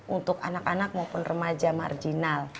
untuk anak anak maupun remaja marginal